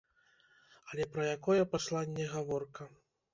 Але пра якое пасланне гаворка?